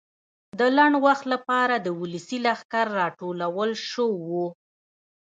د لنډ وخت لپاره د ولسي لښکر راټولول شو وو.